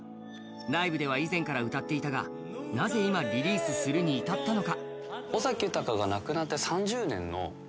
ライブでは以前から歌っていたがなぜ今、リリースするに至ったのか。